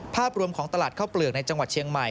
ภาพรวมของตลาดข้าวเปลือกในจังหวัดเชียงใหม่